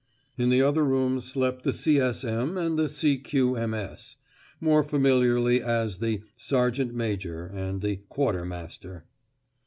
In the other room slept the C.S.M. and C.Q.M.S. (more familiar as the "sergeant major" and the "quartermaster").